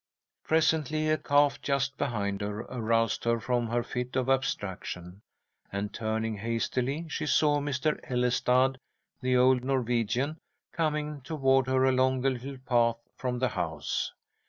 Presently a cough just behind her aroused her from her fit of abstraction, and, turning hastily, she saw Mr. Ellestad, the old Norwegian, coming toward her along the little path from the house.